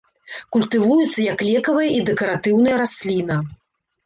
Культывуецца як лекавая і дэкаратыўная расліна.